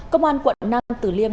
công an quận năm tử liêm